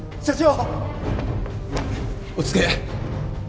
落ち着け！